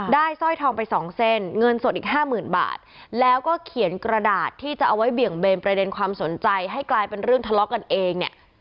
สร้อยทองไปสองเส้นเงินสดอีกห้าหมื่นบาทแล้วก็เขียนกระดาษที่จะเอาไว้เบี่ยงเบนประเด็นความสนใจให้กลายเป็นเรื่องทะเลาะกันเองเนี่ย